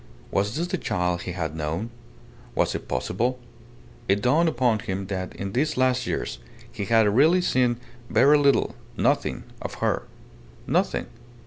Was this the child he had known? Was it possible? It dawned upon him that in these last years he had really seen very little nothing of her. Nothing.